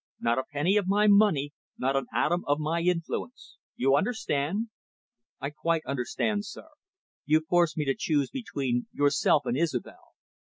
Not a penny of my money, not an atom of my influence. You understand." "I quite understand, sir. You force me to choose between yourself and Isobel.